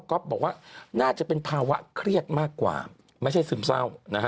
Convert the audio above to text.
บอกว่าน่าจะเป็นภาวะเครียดมากกว่าไม่ใช่ซึมเศร้านะฮะ